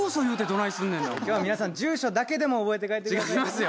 なお前今日は皆さん住所だけでも覚えて帰ってくださいね違いますよ